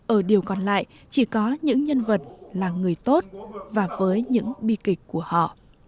ở điều còn lại chỉ có những nhân vật là người tốt và với những bi kịch của họ